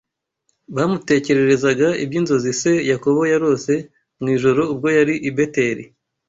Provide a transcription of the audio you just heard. bamutekererezaga iby’inzozi se Yakobo yarose mu ijoro ubwo yari i Beteli